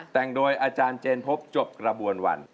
แต่งโดยอาจารย์เจนพบจบกระบวนวัน